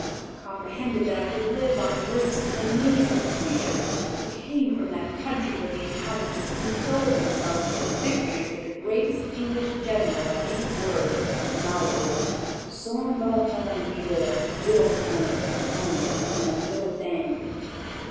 I comprehended that I could live on the roofs with an amazing creature who came from that country where the inhabitants consoled themselves for the victories of the greatest English general by these words: Malbrouk s'en va t en guerre, Mironton, TON, TON, MIRONTAINE!